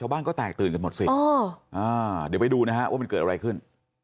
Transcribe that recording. บ้านก็แตกตื่นกันหมดสิเดี๋ยวไปดูนะฮะว่ามันเกิดอะไรขึ้น